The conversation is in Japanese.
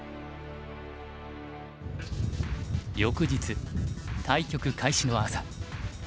翌日対局開始の朝。